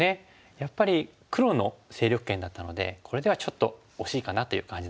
やっぱり黒の勢力圏だったのでこれではちょっと惜しいかなという感じなんですね。